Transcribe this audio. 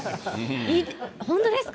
本当ですか？